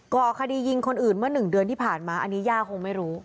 ก่อคดียิงคนอื่นเมื่อ๑เดือนที่ผ่านมาอันนี้ย่าคงไม่รู้